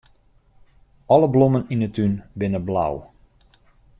Alle blommen yn 'e tún binne blau.